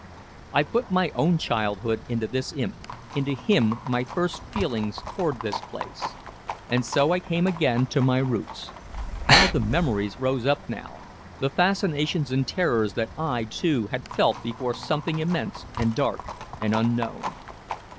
I put my own childhood into this imp, into him my first feelings toward this place. And so I came again to my roots. How the memories rose up now the fascinations and terrors that I, too, had felt before something immense and dark and unknown.